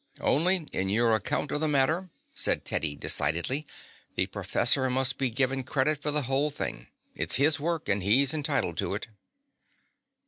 "Only, in your account of the matter," said Teddy decidedly, "the professor must be given credit for the whole thing. It's his work, and he's entitled to it."